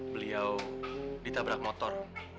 beliau ditabrak motor